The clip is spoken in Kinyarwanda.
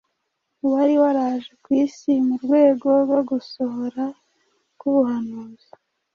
uwari waraje ku isi mu rwego rwo gusohora k’ubuhanuzi